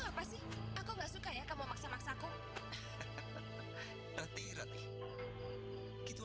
kamu ingin menikah dengan anak babu itu